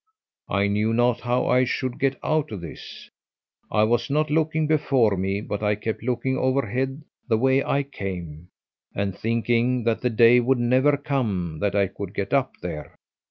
I knew not how I should get out of this. I was not looking before me, but I kept looking overhead the way I came and thinking that the day would never come that I could get up there.